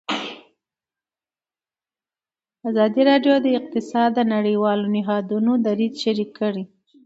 ازادي راډیو د اقتصاد د نړیوالو نهادونو دریځ شریک کړی.